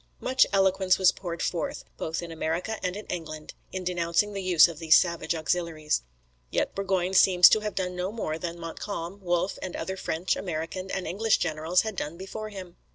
Much eloquence was poured forth, both in America and in England, in denouncing the use of these savage auxiliaries. Yet Burgoyne seems to have done no more than Montcalm, Wolfe, and other French, American, and English generals had done before him.